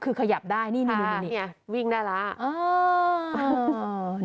คือขยับได้นี่นี่วิ่งได้แล้ว